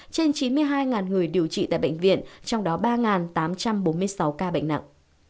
trên chín mươi hai người điều trị tại bệnh viện trong đó ba tám trăm bốn mươi sáu ca bệnh nặng